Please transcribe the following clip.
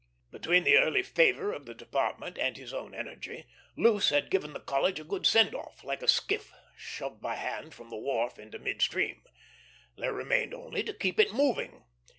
Between the early favor of the Department and his own energy, Luce had given the College a good send off, like a skiff shoved by hand from the wharf into mid stream. There remained only to keep it moving.